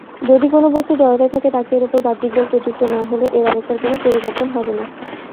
যদি কোন বস্তু জড়তায় থাকে তাকে এর ওপর বাহ্যিক বল প্রযুক্ত না হলে এর অবস্থার কোন পরিবর্তন হবে না।